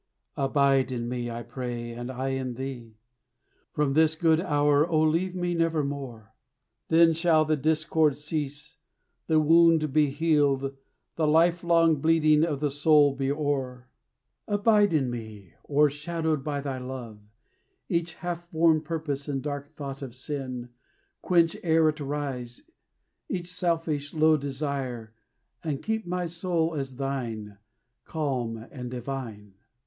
Abide in me, I pray, and I in thee; From this good hour, O, leave me nevermore; Then shall the discord cease, the wound be healed, The lifelong bleeding of the soul be o'er. Abide in me o'ershadow by thy love Each half formed purpose and dark thought of sin; Quench, e'er it rise, each selfish, low desire, And keep my soul as thine, calm and divine.